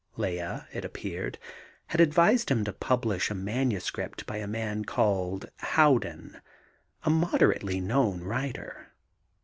Lea, it appeared, had advised him to publish a manuscript by a man called Howden a moderately known writer....